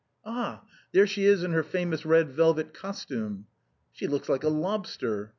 " Ah ! there she is in her famous red velvet costume." " She looks like a lobster."